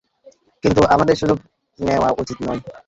কিন্তু আমাদের সুযোগ নেওয়া উচিত নয়।